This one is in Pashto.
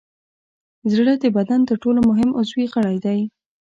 زړه د بدن تر ټولو مهم عضوي غړی دی.